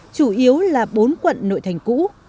chủ yếu là bốn quận nội thành cũ